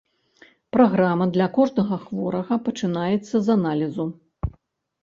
Праграма для кожнага хворага пачынаецца з аналізу.